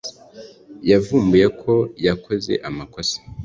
Yavumbuye ko yakoze amakosa